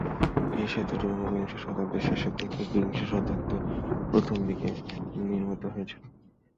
এই সেতুটি ঊনবিংশ শতকের শেষের দিকে বা বিংশ শতকের প্রথম দিকে নির্মিত হয়েছিল।